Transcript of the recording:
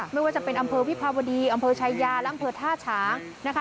ไม่ว่าจะเป็นอำเภอวิภาวดีอำเภอชายาและอำเภอท่าฉางนะคะ